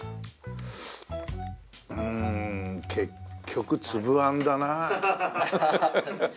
うん結局粒あんだな。